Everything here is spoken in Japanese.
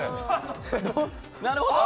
なるほど。